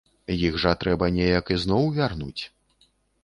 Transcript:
Іх жа трэба неяк ізноў вярнуць.